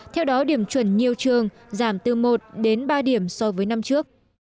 theo đó điểm chuẩn nhiều trường giảm từ một đến ba điểm so với năm trước